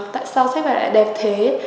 tại sao sách vải lại đẹp thế